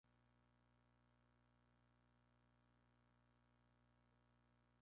El Colegio Electoral para esta Asamblea fueron las Asambleas Provinciales de las respectivas Provincias.